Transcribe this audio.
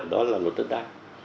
đó là luật đất đai